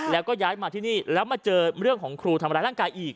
แล้วก็ย้ายมาที่นี่แล้วมาเจอเรื่องของครูทำร้ายร่างกายอีก